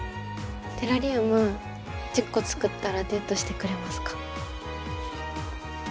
テラリウム１０個作ったらデートしてくれますか？